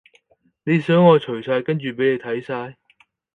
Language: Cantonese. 你想我除晒跟住畀你睇晒？